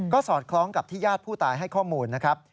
ก็สอดคล้องกับที่ญาติผู้ตายให้ข้อมูลนะครับ